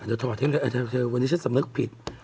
แต่จะถอดเท่าไหร่วันนี้ฉันสำนักผิด